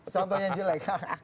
contoh yang jelek